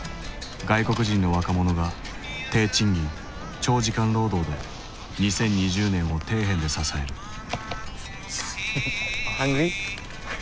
外国人の若者が低賃金長時間労働で２０２０年を底辺で支えるハングリー？